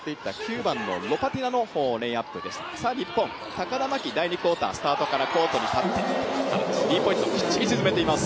高田真希、第２クオーターのスタートからコートに立ってスリーポイントをしっかり沈めています。